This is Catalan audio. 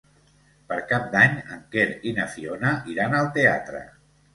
Per Cap d'Any en Quer i na Fiona iran al teatre.